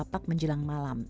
lapak menjelang malam